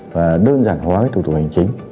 và đơn giản hóa thủ tục hành chính